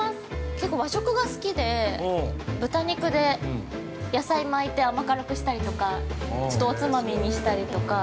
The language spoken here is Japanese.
結構和食が好きで、豚肉で、野菜巻いて甘辛くしたりとか、おつまみにしたりとか。